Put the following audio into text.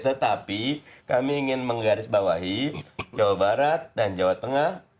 tetapi kami ingin menggarisbawahi jawa barat dan jawa tengah